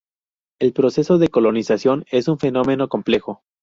El proceso de colonización es un fenómeno complejo.